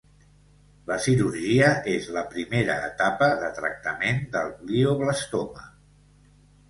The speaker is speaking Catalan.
La cirurgia és la primera etapa de tractament del glioblastoma.